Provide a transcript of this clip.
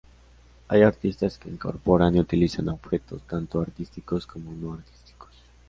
Hay artistas que incorporan y utilizan objetos tanto artísticos como no artísticos.